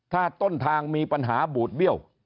ถ้าต้นทางมีปัญหาบูดเบี้ยว